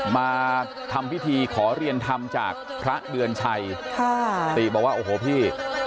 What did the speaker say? มาทำพิธีขอเรียนธรรมจากพระเดือนชัยค่ะติบอกว่าโอ้โหพี่